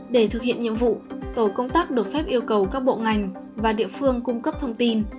để thực hiện nhiệm vụ tổ công tác được phép yêu cầu các bộ ngành và địa phương cung cấp thông tin